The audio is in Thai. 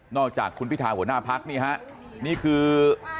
นอกจากคุณพิทาหัวหน้าพักนี่คือ